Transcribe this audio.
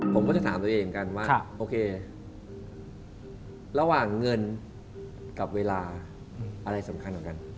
ผมก็จะถามตัวเองกันว่าโอเคระหว่างเงินกับเวลาอะไรสำคัญกว่ากัน